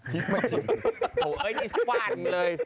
โหเอ้ยนี่สว่านเลย